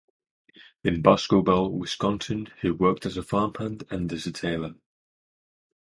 In Boscobel, Wisconsin he worked as a farmhand and as a tailor.